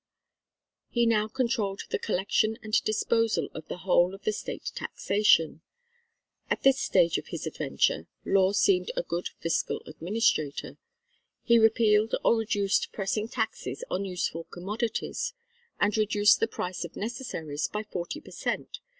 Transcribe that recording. He now controlled the collection and disposal of the whole of the State taxation. At this stage of his adventure, Law seemed a good fiscal administrator. He repealed or reduced pressing taxes on useful commodities, and reduced the price of necessaries by forty per cent.